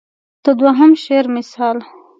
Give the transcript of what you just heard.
د دوهم شعر مثال.